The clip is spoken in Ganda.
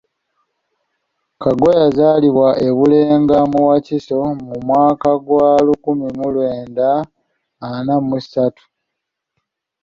Kaggwa yazaalibwa e Bulenga mu Wakiso mu mwaka gwa lukumi mu lwenda mu ana mu ssatu.